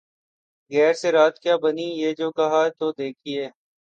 ’’ غیر سے رات کیا بنی ‘‘ یہ جو کہا‘ تو دیکھیے